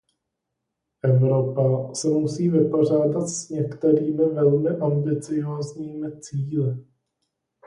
Evropa se musí vypořádat s některými velmi ambiciózními cíli.